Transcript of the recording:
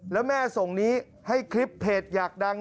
แล้วแม่ส่งนี้ให้คลิปเพจอยากดัง